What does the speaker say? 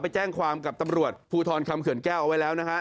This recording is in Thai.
ไปแจ้งความกับตำรวจภูทรคำเขื่อนแก้วเอาไว้แล้วนะฮะ